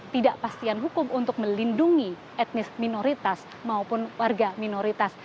tidakpastian hukum untuk melindungi etnis minoritas maupun warga minoritas